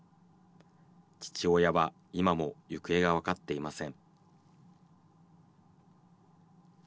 父親は今も行方が分かっていません。